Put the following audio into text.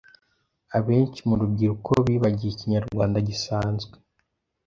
abenshi mu rubyiruko bibagiwe ikinyarwanda gisanzwe